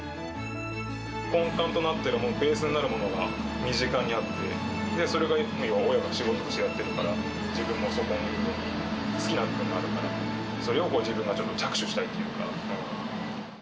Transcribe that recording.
根幹となっているもの、ベースになるものが身近にあって、それを親が仕事としてやっているから、自分もそこに好きな部分もあるから、それを自分で着手したいというか。